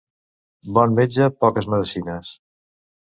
Bon metge, poques medecines.